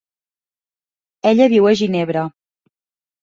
Ella viu a Ginebra.